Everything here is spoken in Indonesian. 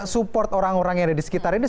support orang orang yang ada di sekitar ini